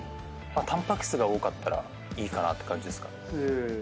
タンパク質が多かったらいいかなって感じですかね。